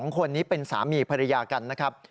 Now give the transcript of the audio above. ๒คนนี้เป็นสามีภรรยากันนะครับ